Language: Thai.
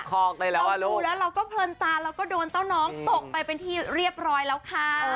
ดูแล้วเราก็เพลินตาเราก็โดนเต้าน้องตกไปเป็นที่เรียบร้อยแล้วค่ะ